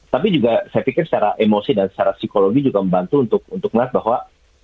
tapi juga saya pikir secara emosi dan secara psikologi juga membantu untuk melihat bahwa